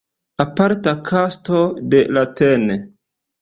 Aparta kasto de la tn.